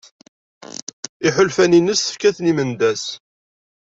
Iḥulfan-ines tefka-ten i Mendas.